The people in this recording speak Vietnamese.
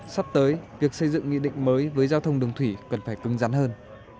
sắp tới việc xây dựng nghị định mới với giao thông đường thủy cần phải cứng rắn hơn